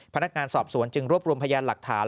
พนักงานสอบสวนจึงรวบรวมพยานหลักฐาน